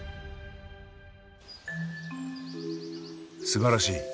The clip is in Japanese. すばらしい。